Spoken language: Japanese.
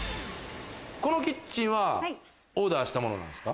このキッチンはオーダーしたものなんですか？